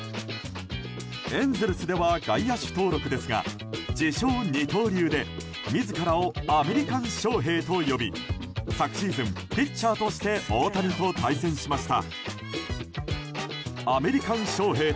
エンゼルスでは外野手登録ですが自称二刀流で自らをアメリカン・ショウヘイと呼び昨シーズン、ピッチャーとして大谷と対戦しました。